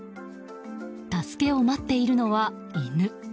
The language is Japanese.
助けを待っているのは犬。